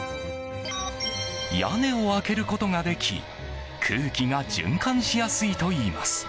屋根を開けることができ空気が循環しやすいといいます。